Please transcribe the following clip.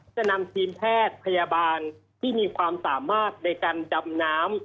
จะนำทีมแพทย์พยาบาลที่มีความสามารถในการดำน้ำ